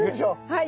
はい！